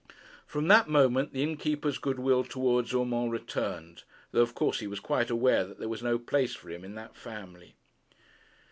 From that moment the innkeeper's goodwill towards Urmand returned, though of course he was quite aware that there was no place for him in that family.